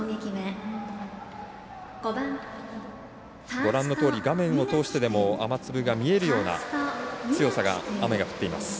ご覧のとおり画面を通してでも雨粒が見えるような強さの雨が降っています。